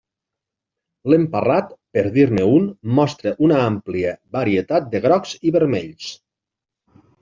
L'emparrat, per dir-ne un, mostra una àmplia varietat de grocs i vermells.